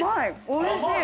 おいしい。